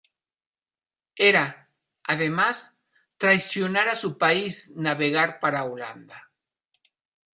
Era, además, traicionar a su país navegar para "Holanda".